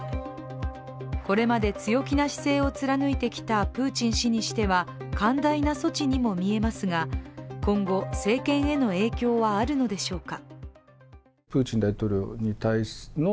これまで強気な姿勢を貫いてきたプーチン氏については寛大な措置にも見えますが、今後政権への影響はあるのでしょうか。